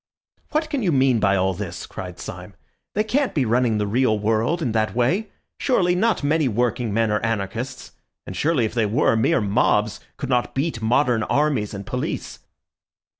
"What can you mean by all this?" cried Syme. "They can't be running the real world in that way. Surely not many working men are anarchists, and surely if they were, mere mobs could not beat modern armies and police."